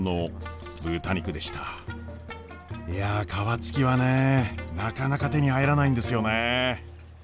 いや皮付きはねなかなか手に入らないんですよね。